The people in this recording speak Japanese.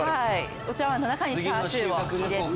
お茶わんの中にチャーシューを入れて。